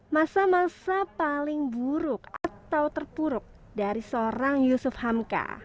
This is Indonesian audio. masa masa paling buruk atau terpuruk dari seorang yusuf hamka